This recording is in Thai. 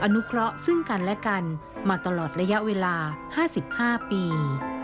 นุเคราะห์ซึ่งกันและกันมาตลอดระยะเวลา๕๕ปี